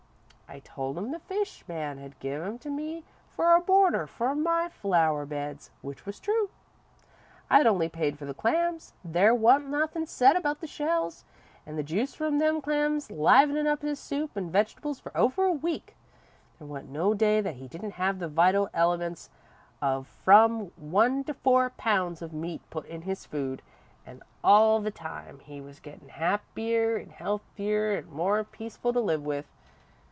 I told him the fish man had give 'em to me for a border for my flower beds, which was true. I'd only paid for the clams there wa'n't nothin' said about the shells an' the juice from them clams livened up his soup an' vegetables for over a week. There wa'n't no day that he didn't have the vital elements of from one to four pounds of meat put in his food, an' all the time, he was gettin' happier an' healthier an' more peaceful to live with.